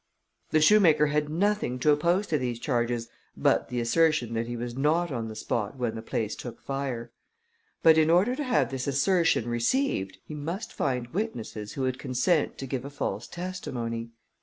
The shoemaker had nothing to oppose to these charges, but the assertion that he was not on the spot when the place took fire; but in order to have this assertion received, he must find witnesses who would consent to give a false testimony.